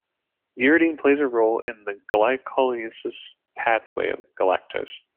Uridine plays a role in the glycolysis pathway of galactose.